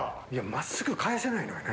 真っすぐ返せないのよね。